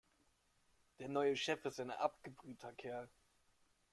Der neue Chef ist ein abgebrühter Kerl.